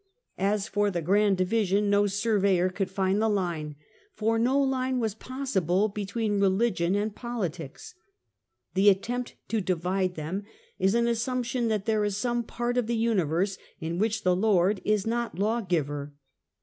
As for the grand division, no surveyor could find the line; for no line was possible between religion and politics. The attempt to divide them is an assump tion that there is some part of the universe in which the Lord is not law giver.